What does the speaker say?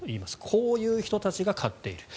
こういう人たちが買っている。